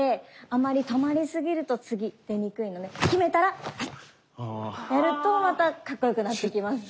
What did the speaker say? あまり止まりすぎると次出にくいので極めたらやるとまたかっこよくなってきます。